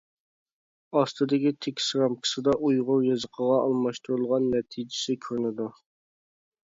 ئاستىدىكى تېكىست رامكىسىدا ئۇيغۇر يېزىقىغا ئالماشتۇرۇلغان نەتىجىسى كۆرۈنىدۇ.